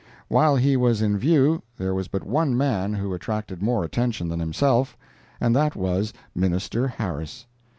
While he was in view there was but one man who attracted more attention than himself, and that was Minister Harris.